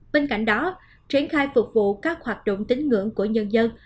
bên cạnh đó triển khai phục vụ các hoạt động tính ngưỡng của nhân dân